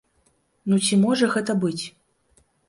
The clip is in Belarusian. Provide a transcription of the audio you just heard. Ну ці можа гэта быць?